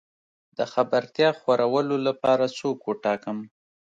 د خبرتيا خورولو لپاره څوک وټاکم؟